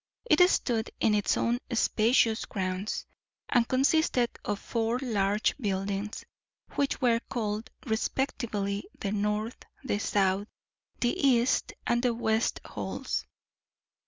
It stood in its own spacious grounds, and consisted of four large buildings, which were called respectively the North, the South, the East, and the West Halls.